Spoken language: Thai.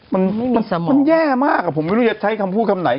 มันมันแย่มากผมไม่รู้จะใช้คำพูดคำไหน